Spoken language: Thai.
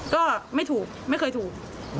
ก็ไม่ถูกไม่เคยถูก